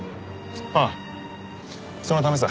ああそのためさ。